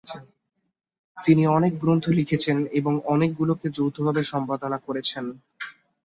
তিনি অনেক গ্রন্থ লিখেছেন এবং অনেকগুলো যৌথভাবে সম্পাদনা করেছেন।